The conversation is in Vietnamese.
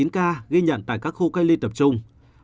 sáu mươi chín ca ghi nhận tại các khu cây ly tập trung